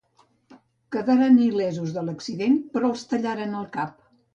Quedaren il·lesos de l'accident però els tallaren el cap.